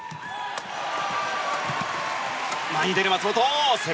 前に出る松本！